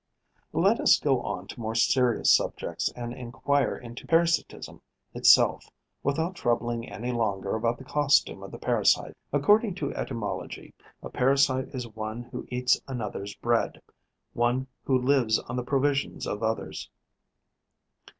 Let us go on to more serious subjects and enquire into parasitism itself, without troubling any longer about the costume of the parasite. According to etymology, a parasite is one who eats another's bread, one who lives on the provisions of others.